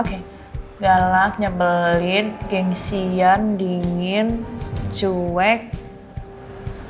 oke galak nyebelit gengsian dingin cuek kacau dan bergurau